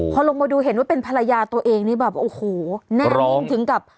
พอลงมาดูเห็นว่าเป็นภรรยาตัวเองนี่แบบโอ้โหแน่นิ่งถึงกับ